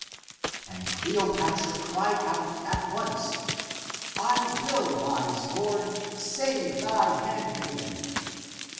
" And Cle opatra cried out at once :" I will rise. Lord, Save thy handmaiden